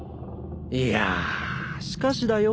いやぁしかしだよ